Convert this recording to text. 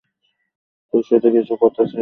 তোর সাথে কিছু কথা ছিলো।